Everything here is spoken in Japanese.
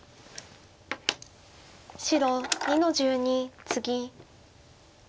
白２の十二ツギ。